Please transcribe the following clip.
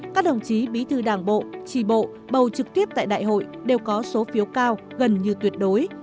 các đồng chí bí thư đảng bộ trì bộ bầu trực tiếp tại đại hội đều có số phiếu cao gần như tuyệt đối